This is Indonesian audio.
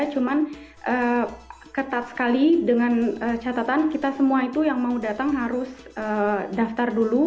cuman ketat sekali dengan catatan kita semua itu yang mau datang harus daftar dulu